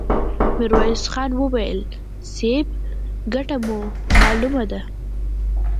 ميرويس خان وويل: صيب! ګټه مو مالومه ده!